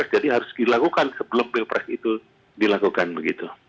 jadi harus dilakukan sebelum bill press itu dilakukan begitu